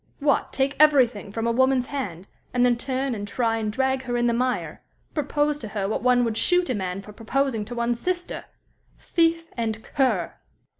What, take everything from a woman's hand, and then turn and try and drag her in the mire propose to her what one would shoot a man for proposing to one's sister! Thief and cur.